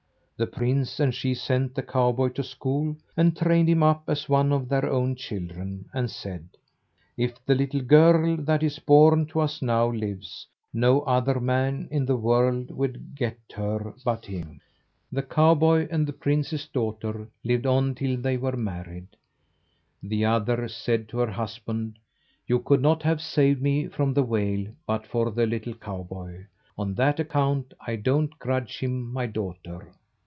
The prince and she sent the cowboy to school, and trained him up as one of their own children, and said: "If the little girl that is born to us now lives, no other man in the world will get her but him." The cowboy and the prince's daughter lived on till they were married. The mother said to her husband "You could not have saved me from the whale but for the little cowboy; on that account I don't grudge him my daughter."